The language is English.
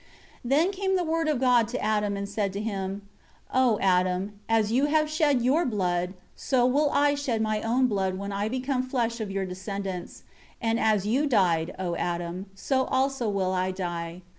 4 Then came the Word of God to Adam, and said to him, "O Adam, as you have shed your blood, so will I shed My own blood when I become flesh of your descendants; and as you died, O Adam, so also will I die.